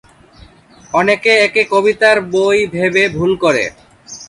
অনেকে একে কবিতার বই ভেবে ভুল করে।